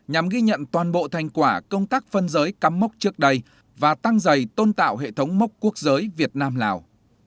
nhằm ghi nhận toàn bộ thành quả công tác phân giới cắm mốc trước đây và tăng dày tôn tạo hệ thống mốc quốc giới việt nam lào